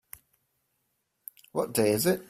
What day is it?